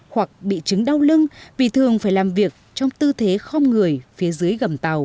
hoặc bị trứng đau lưng vì thường phải làm việc trong tư thế không người phía dưới